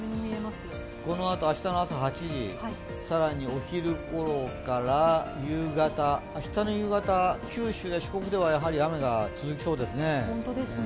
このあと、明日の朝８時、さらにお昼頃から夕方、明日の夕方、九州や四国ではやはり雨が続きそうですね。